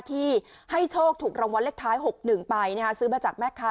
ที่ให้โชคถูกรางวัลเลขท้าย๖๑ไปซื้อมาจากแม่ค้า